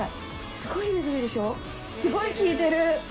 スゴい効いてる！